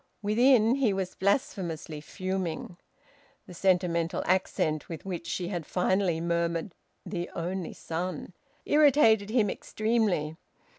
Within, he was blasphemously fuming. The sentimental accent with which she had finally murmured `the only son' irritated him extremely.